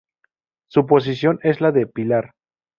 Su posición es la de pilar.